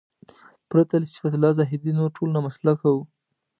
پرته له صفت الله زاهدي نور ټول نامسلکه وو.